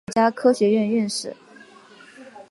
他当选了美国国家科学院院士。